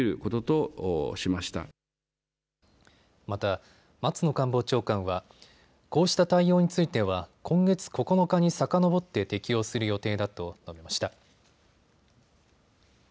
また、松野官房長官はこうした対応については今月９日にさかのぼって適用する予定だと述べました。